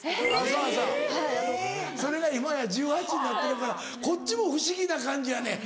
そうそうそれが今や１８歳になってるからこっちも不思議な感じやねん。